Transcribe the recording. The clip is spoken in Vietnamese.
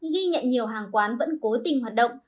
ghi nhận nhiều hàng quán vẫn cố tình hoạt động